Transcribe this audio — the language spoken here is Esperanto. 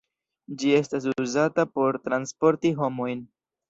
Ĝi estas uzata por transporti homojn.